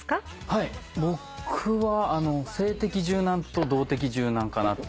はい僕は静的柔軟と動的柔軟かなっていう。